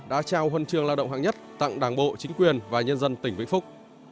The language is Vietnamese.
đã trao huân trường lao động hạng nhất tặng đảng bộ chính quyền và nhân dân tỉnh vĩnh phúc